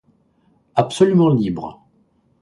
Absolument libres.